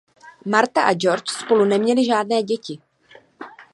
Martha a George spolu neměli žádné děti.